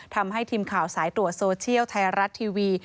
ทำให้ทีมข่าวสายตรวจโซเชียลไทยรัฐทีวี